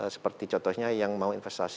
seperti contohnya yang mau investasi di malaysia